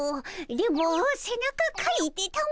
電ボせなかかいてたも。